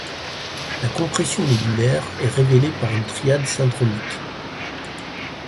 La compression médullaire est révélée par une triade syndromique.